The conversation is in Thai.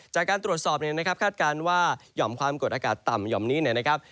จากการตรวจสอบเนี่ยนะครับคาดการณ์ว่าหย่อมความกดอากาศต่ำหย่อมนี้เนี่ยนะครับ